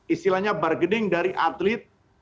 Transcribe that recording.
istilahnya bargaining dari atlet